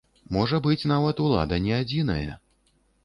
Можа быць, нават улада не адзінае.